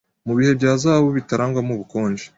Mubihe bya zahabu Bitarangwamo ubukonje